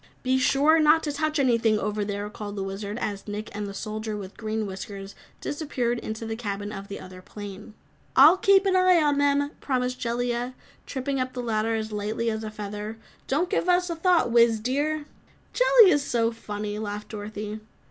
"Be sure not to touch anything over there," called the Wizard, as Nick and the Soldier with Green Whiskers disappeared into the cabin of the other plane. "I'll keep an eye on them," promised Jellia, tripping up the ladder as lightly as a feather. "Don't give us a thought, Wiz, dear." "Jellia's so funny!" laughed Dorothy.